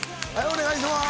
お願いします